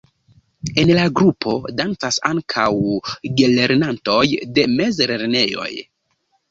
En la grupo dancas ankaŭ gelernantoj de mezlernejoj.